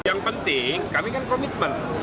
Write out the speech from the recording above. yang penting kami kan komitmen